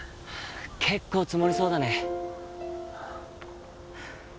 結構積もりそうだね